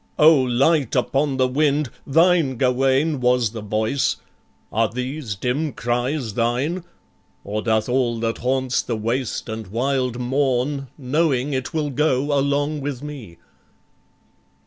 O light upon the wind, Thine, Gawain, was the voice are these dim cries Thine? or doth all that haunts the waste and wild Mourn, knowing it will go along with me?"